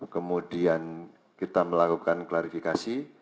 kemudian kita melakukan klarifikasi